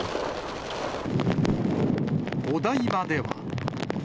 お台場では。